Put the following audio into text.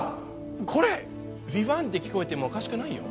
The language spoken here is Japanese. これヴィヴァンって聞こえてもおかしくないよ